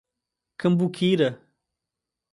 Cambuquira